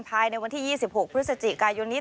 ภายในวันที่๒๖พฤศจิกายนนี้